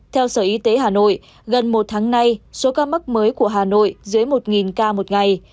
theo sở y tế hà nội gần một tháng nay số ca mắc mới của hà nội dưới một ca một ngày